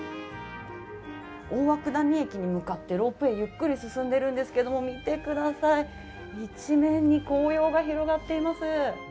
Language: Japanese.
大涌谷駅に向かってロープウエーゆっくり進んでいるんですが一面に紅葉が広がっています。